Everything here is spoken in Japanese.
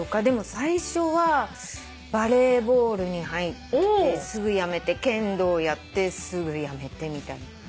でも最初はバレーボールに入ってすぐ辞めて剣道やってすぐ辞めてみたいな。